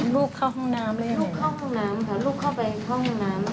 ลูกเข้าห้องน้ำลูกเข้าห้องน้ำเพราะลูกเข้าไปห้องน้ำ